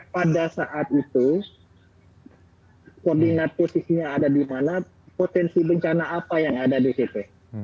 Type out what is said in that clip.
pada saat itu koordinat posisinya ada di mana potensi bencana apa yang ada di situ